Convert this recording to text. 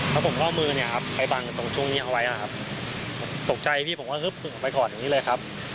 แล้วผมก็เอามือเนี่ยครับไปบังตรงช่วงนี้เอาไว้นะครับตกใจพี่ผมก็ฮึบลงไปก่อนอย่างนี้เลยครับ